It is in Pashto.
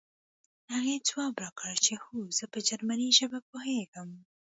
هغې ځواب راکړ چې هو زه په جرمني ژبه پوهېږم